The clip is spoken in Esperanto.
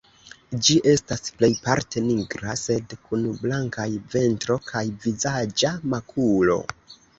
Ĝi estas plejparte nigra, sed kun blankaj ventro kaj vizaĝa makulo.